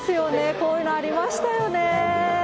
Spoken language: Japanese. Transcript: こういうのありましたよね。